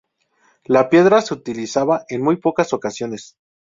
La piedra se utilizaba en muy pocas ocasiones.